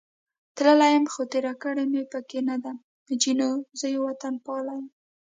تللی یم، خو تېر کړې مې پکې نه ده، جینو: زه یو وطنپال یم.